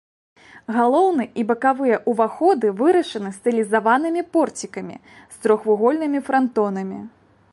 Галоўны і бакавыя ўваходы вырашаны стылізаванымі порцікамі з трохвугольнымі франтонамі.